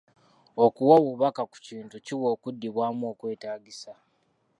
Okuwa obubaka ku kintu kiwa okuddibwamu okwetaagisa.